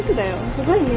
すごいね。